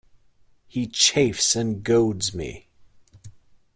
He chafes and goads me!